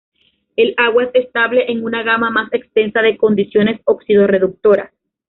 El agua es estable en una gama más extensa de condiciones oxido-reductoras.